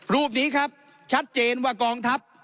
รูปนี้ครับชัดเจนว่ากองทัพ